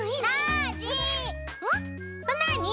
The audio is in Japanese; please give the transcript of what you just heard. なに？